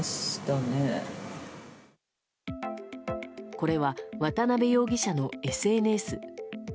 これは、渡辺容疑者のＳＮＳ。